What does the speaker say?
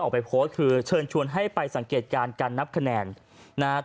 ทุกหน่วยในเขตที่๑นครปฐมต้องมีการนับคะแนนใหม่ในวันนี้